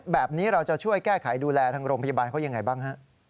แบบนี้เราจะช่วยแก้ไขดูแลทางโรงพยาบาลเขายังไงบ้างฮะ